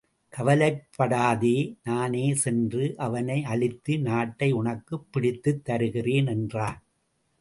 கவலைப்படாதே நானே சென்று அவனை அழித்து நாட்டை உனக்குப் பிடித்துத் தருகிறேன் என்றான்.